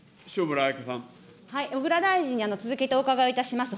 小倉大臣に続けてお伺いいたします。